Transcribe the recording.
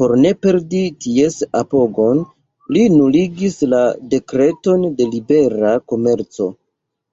Por ne perdi ties apogon, li nuligis la dekreton de libera komerco.